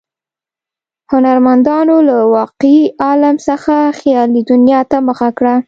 هنرمندانو له واقعي عالم څخه خیالي دنیا ته مخه کړه.